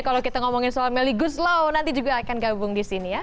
kalau kita ngomongin soal melly guslo nanti juga akan gabung di sini ya